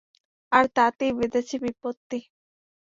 আর তাতেই বেধেছে বিপত্তি।